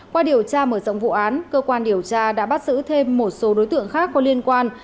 qua điều tra mở rộng vụ án cơ quan điều tra đã bắt giữ thêm một số đối tượng khác có liên quan